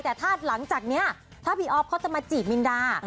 แต่ถ้าหลังจากนี้ถ้าพี่อ๊อฟเขาจะมาจีบมินดา